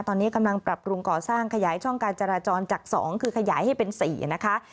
ตอนนี้กำลังปรับปรุงก่อสร้างขยายช่องการจราจรจาก๒คือขยายให้เป็น๔นะคะ